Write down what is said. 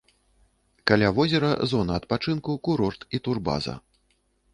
Каля возера зона адпачынку, курорт і турбаза.